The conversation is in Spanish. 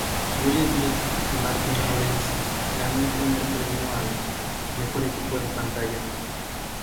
Will Smith y Martin Lawrence ganó el premio al "Mejor Equipo en Pantalla".